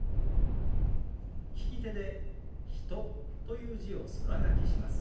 利き手で「人」という字を空書きします。